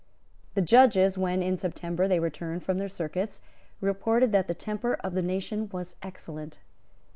The judges when, in September, they returned from their circuits, reported that the temper of the nation was excellent.